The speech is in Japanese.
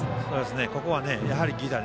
ここはやはり、犠打。